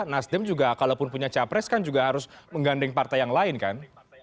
nasdem juga kalaupun punya capres kan juga harus menggandeng partai yang lain kan